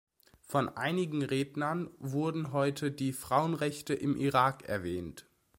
Von einigen Rednern wurden heute die Frauenrechte im Irak erwähnt.